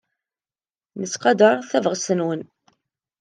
Nettqadar tabɣest-nwent.